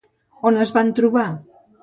On es van trobar?